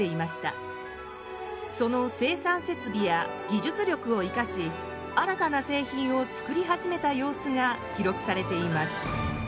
その生産設備や技術力を生かし新たな製品を作り始めた様子が記録されています。